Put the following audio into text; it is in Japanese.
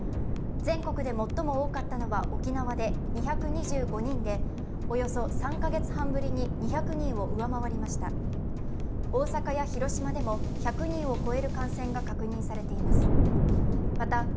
全国で最も多かったのは沖縄で２２５人でおよそ３カ月半ぶりに２００人を上回りました。